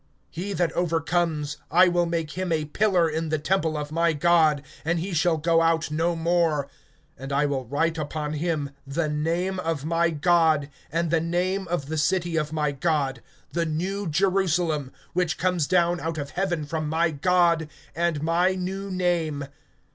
(12)He that overcomes, I will make him a pillar in the temple of my God, and he shall go out no more; and I will write upon him the name of my God, and the name of the city of my God, the new Jerusalem, which comes down out of heaven from my God, and my new name.